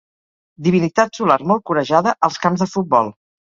Divinitat solar molt corejada als camps de futbol.